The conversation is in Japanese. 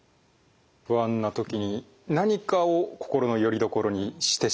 不安な時に何かを心のよりどころにしてしまうと。